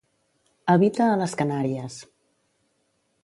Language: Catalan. Habita a les Canàries.